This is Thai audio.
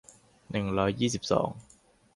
หนึ่งร้อยยี่สิบสอง